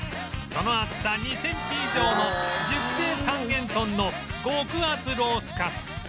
その厚さ２センチ以上の熟成三元豚の極厚ロースかつ